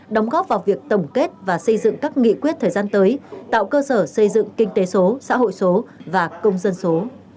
đóng góp vào việc tổng kết và xây dựng các nghị quyết thời gian tới tạo cơ sở xây dựng kinh tế số xã hội số và công dân số